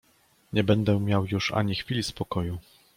"Nie będę miał już ani chwili spokoju."